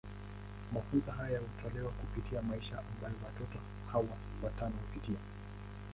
Mafunzo haya hutolewa kupitia maisha ambayo watoto hawa watano hupitia.